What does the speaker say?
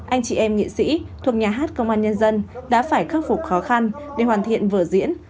anh chị em nghệ sĩ thuộc nhà hát công an nhân dân đã phải khắc phục khó khăn để hoàn thiện vở diễn